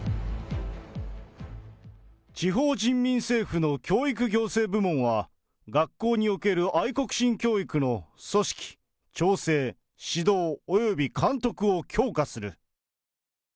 地方人民政府の教育行政部門は、学校における愛国心教育の組織、調整、指導および監督を強化する。